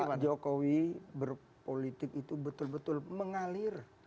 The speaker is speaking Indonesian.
pak jokowi berpolitik itu betul betul mengalir